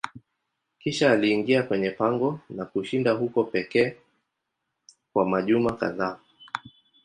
Kisha aliingia kwenye pango na kushinda huko pekee kwa majuma kadhaa.